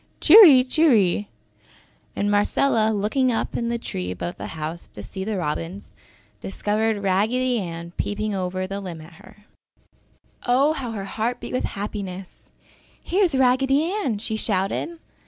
Cheery! Cheery!" And Marcella looking up into the tree above the house to see the robins, discovered Raggedy Ann peeping over the limb at her. Oh, how her heart beat with happiness. "Here is Raggedy Ann," she shouted.